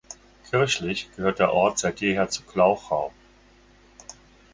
Kirchlich gehört der Ort seit jeher zu Glauchau.